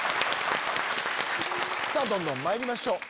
どんどんまいりましょう！